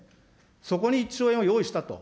そこに１兆円を用意したと。